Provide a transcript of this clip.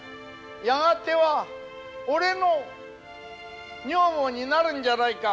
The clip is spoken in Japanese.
やがては俺の女房になるんじゃないか。